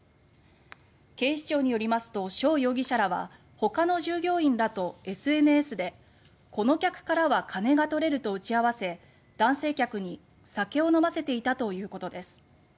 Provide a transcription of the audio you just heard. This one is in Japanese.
警視庁によりますとショウ容疑者らはほかの従業員らとＳＮＳで「この客からは金が取れる」と打ち合わせ男性客に酒を飲ませていたということです。